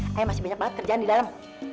tapi masih banyak banget kerjaan di dalam